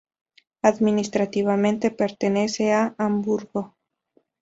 Administrativamente pertenece a Hamburgo.